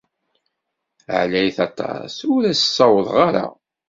Ɛlayet aṭas, ur as-ssawḍeɣ ara.